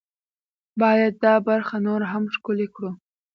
باید دا برخه نوره هم ښکلې کړو.